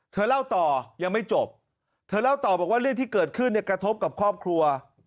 เล่าต่อยังไม่จบเธอเล่าต่อบอกว่าเรื่องที่เกิดขึ้นเนี่ยกระทบกับครอบครัว